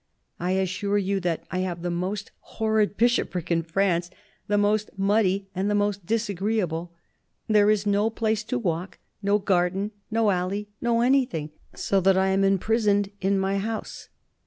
I assure you that I have the most horrid bishopric in France, the most muddy and the most disagreeable. ... There is no place to walk, no garden, no alley, no anything, so that I am imprisoned in my house.